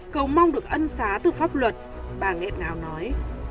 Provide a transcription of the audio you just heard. cầu mong được ân xá từ pháp luật bà nghẹn ngào nói